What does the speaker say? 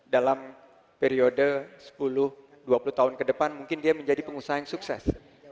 dalam periode sepuluh dua puluh tahun ke depan mungkin dia menjadi pengusaha yang sukses